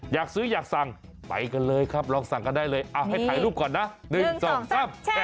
อยากซื้ออยากสั่งไปกันเลยครับลองสั่งกันได้เลยเอาให้ถ่ายรูปก่อนนะ๑๒๓